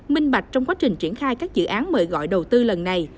minh bạch trong quá trình triển khai các dự án mời gọi đầu tư lần này